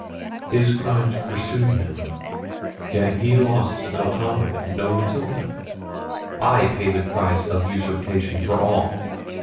His crimes pursued him—yet he lost no Conrad, no Matilda! I pay the price of usurpation for all!